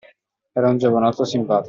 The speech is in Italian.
Era un giovanotto simpatico.